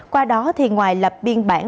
qua đó thì ngoài lập biên bản